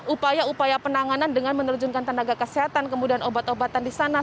upaya upaya penanganan dengan menerjunkan tenaga kesehatan kemudian obat obatan di sana